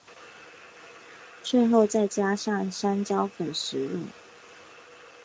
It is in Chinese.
最后再加上山椒粉食用。